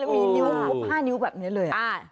แล้วมีนิ้ว๕นิ้วแบบนี้เลย